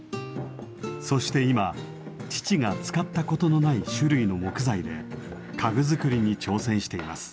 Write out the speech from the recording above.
そして今父が使ったことのない種類の木材で家具作りに挑戦しています。